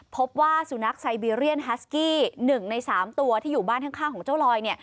พบว่าสุนัขไซเบียเรียนฮัสกี้๑ใน๓ตัวที่อยู่บ้านข้างของเจ้าลอยเนี่ย